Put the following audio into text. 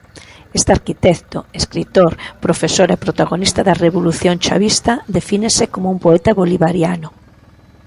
Este arquitecto, escritor, profesor e protagonista da revolución chavista, defínese como un poeta bolivariano.